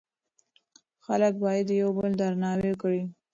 خلک باید یو بل درناوی کړي.